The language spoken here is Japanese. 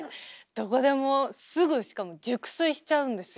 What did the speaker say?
どこでもすぐしかも熟睡しちゃうんですよ。